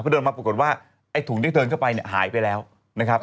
เดินมาปรากฏว่าไอ้ถุงที่เดินเข้าไปเนี่ยหายไปแล้วนะครับ